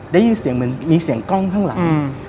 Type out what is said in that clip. ได้ยินเสียงเหมือนมีเสียงกล้องข้างหลัง